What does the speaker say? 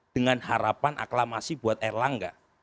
dengan harapan aklamasi buat erlangga